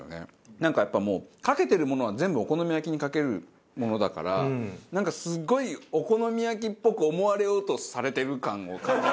なんかやっぱもうかけてるものは全部お好み焼きにかけるものだからなんかすごいお好み焼きっぽく思われようとされてる感を感じる。